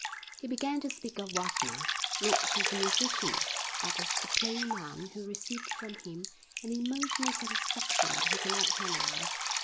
He began to speak of Wagner, not as a musician, but as the plain man who received from him an emotional satisfaction that he could not analyse.